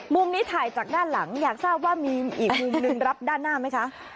มุมนี้ถ่ายจากด้านหลังอยากทราบว่ามีอีกมุมหนึ่งรับด้านหน้าไหมคะ